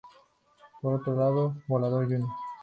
Por otro lado, Volador Jr.